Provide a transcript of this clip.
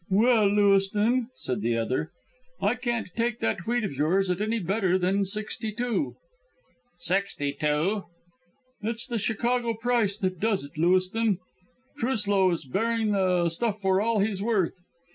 "Well, Lewiston," said the other, "I can't take that wheat of yours at any better than sixty two." "Sixty two." "It's the Chicago price that does it, Lewiston. Truslow is bearing the stuff for all he's worth.